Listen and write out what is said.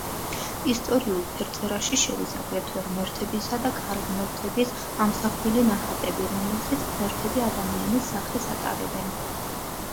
ისტორიულ ფერწერაში შედის აგრეთვე ღმერთების და ქალღმერთების ამსახველი ნახატები, რომლებზეც ღმერთები ადამიანის სახეს ატარებენ.